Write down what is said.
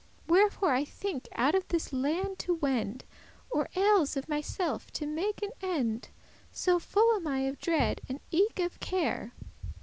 Wherefore I think out of this land to wend, Or elles of myself to make an end, So full am I of dread and eke of care."